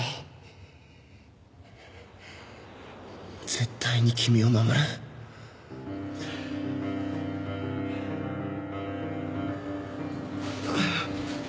絶対に君を守る。うっ。